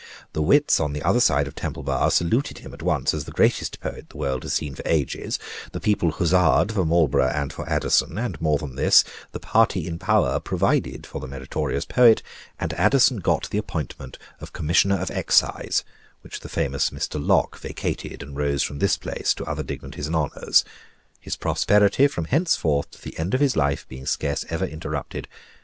The wits on the other side of Temple Bar saluted him at once as the greatest poet the world had seen for ages; the people huzza'ed for Marlborough and for Addison, and, more than this, the party in power provided for the meritorious poet, and Addison got the appointment of Commissioner of Excise, which the famous Mr. Locke vacated, and rose from this place to other dignities and honors; his prosperity from henceforth to the end of his life being scarce ever interrupted.